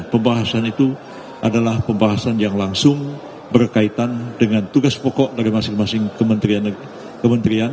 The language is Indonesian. pembahasan itu adalah pembahasan yang langsung berkaitan dengan tugas pokok dari masing masing kementerian